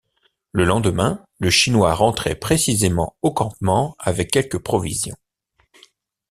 Le lendemain, le Chinois rentrait précisément au campement avec quelques provisions.